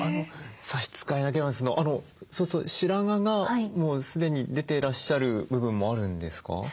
差し支えなければそうすると白髪がもう既に出ていらっしゃる部分もあるんですか？